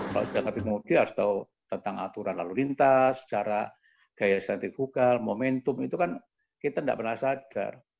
kalau sudah ngerti modi harus tahu tentang aturan lalu lintas secara gaya sensitifukal momentum itu kan kita tidak pernah sadar